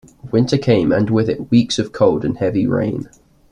Winter came, and with it weeks of cold and heavy rain.